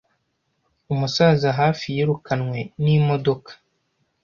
Umusaza hafi yirukanwe n'imodoka.